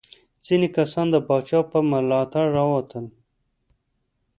ځینې کسان د پاچا په ملاتړ راووتل.